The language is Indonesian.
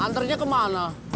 anternya ke mana